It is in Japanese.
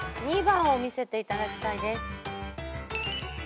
２番を見せていただきたいです。